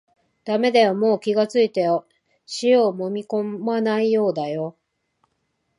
だめだよ、もう気がついたよ、塩をもみこまないようだよ